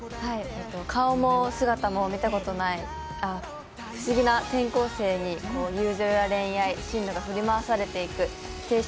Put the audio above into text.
顔も姿も見たことない不思議な転校生に友情や恋愛、進路が振り回されていく青春